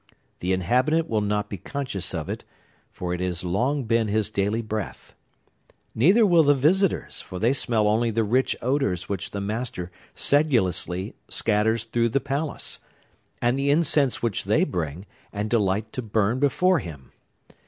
The inhabitant will not be conscious of it, for it has long been his daily breath! Neither will the visitors, for they smell only the rich odors which the master sedulously scatters through the palace, and the incense which they bring, and delight to burn before him!